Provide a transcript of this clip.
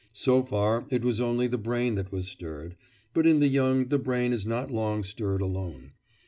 So far, it was only the brain that was stirred, but in the young the brain is not long stirred alone.